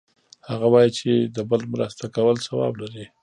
هغه وایي چې د بل مرسته کول ثواب لری